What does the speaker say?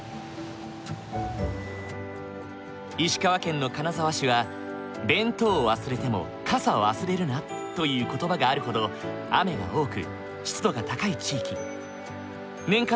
石川県の金沢市は「弁当忘れても傘忘れるな」という言葉があるほど雨が多く湿度が高い地域。